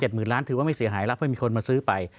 หมื่นล้านถือว่าไม่เสียหายแล้วเพราะมีคนมาซื้อไป